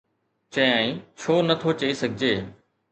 چيائين: ڇو نٿو چئي سگهجي؟